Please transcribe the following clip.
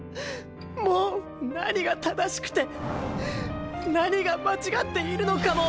もう何が正しくて何が間違っているのかも。